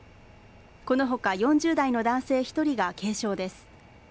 このほか４０代の男性１人が軽傷です。